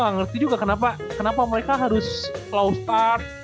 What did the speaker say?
gue gak ngerti juga kenapa mereka harus low start